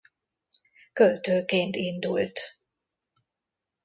Költőként indult.